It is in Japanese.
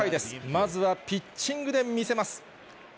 まずはピッチングで見せます。